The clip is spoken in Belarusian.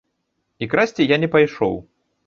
І красці я не пайшоў.